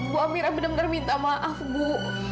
bu amirah benar benar minta maaf bu